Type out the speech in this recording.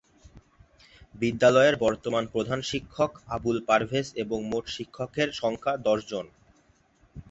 বিদ্যালয়ের বর্তমান প্রধান শিক্ষক আবুল পারভেজ এবং মোট শিক্ষকের সংখ্যা দশ জন।